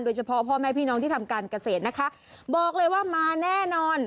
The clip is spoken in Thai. พ่อแม่พี่น้องที่ทำการเกษตรนะคะบอกเลยว่ามาแน่นอน